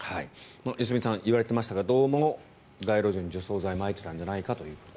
良純さん言われていましたがどうも街路樹に除草剤をまいていたんじゃないかということです。